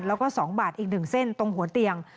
แล้วก็๒บาทอีก๑เส้นตรงหัวเตียง